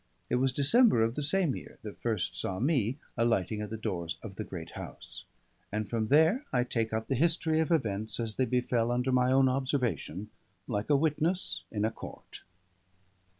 It was December of the same year that first saw me alighting at the doors of the great house; and from there I take up the history of events as they befell under my own observation, like a witness in a court.